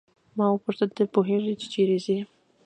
ما وپوښتل ته پوهیږې چې چیرې ځې.